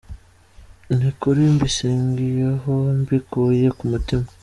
Ni ukuri mbiseguyeho mbikuye ku mutima”.